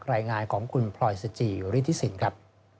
รายงานของคุณพลอยสจิฤทธิสินครับ